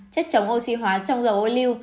chất chống oxy hóa trong dầu ô lưu